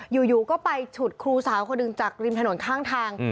อยู่ก็ไปฉุดครูสาวคนหนึ่งจากริมถนนข้างทาง